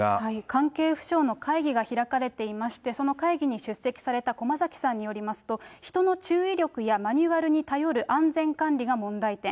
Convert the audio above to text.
関係府省の会議が開かれていまして、その会議に出席された駒崎さんによりますと、人の注意力やマニュアルに頼る安全管理が問題点。